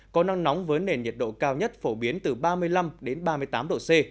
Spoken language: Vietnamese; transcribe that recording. có nắng nóng với nền nhiệt độ cao nhất phổ biến từ ba mươi năm ba mươi tám độ c